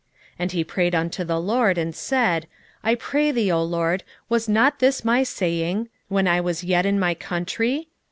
4:2 And he prayed unto the LORD, and said, I pray thee, O LORD, was not this my saying, when I was yet in my country?